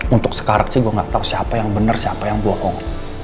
untuk sekaraksi gue gak tau siapa yang bener siapa yang bohong